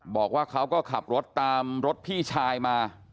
บอกว่าเขาก็ขับรถตามรถพี่ชายมา